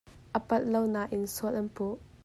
A palh lo nain sual an puh.